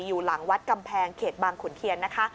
อยู่หลังวัดกำแพงเขตบางขุนเทียนนะคะ